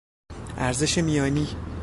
ارزش میانی